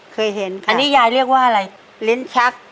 เคยเห็นอันนี้ยายเรียกว่าอะไรลิ้นชัก